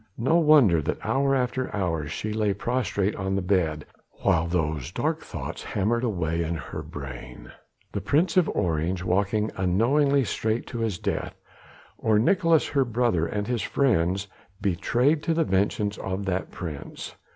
No wonder that hour after hour she lay prostrate on the bed, while these dark thoughts hammered away in her brain. The Prince of Orange walking unknowingly straight to his death, or Nicolaes her brother and his friends betrayed to the vengeance of that Prince.